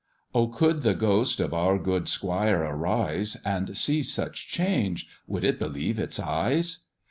"Oh! could the ghost of our good 'squire arise, And see such change; would it believe its eyes?